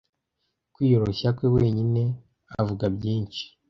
kwiyoroshya kwe wenyine avuga byinshi